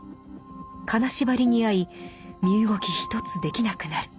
金縛りにあい身動きひとつできなくなる。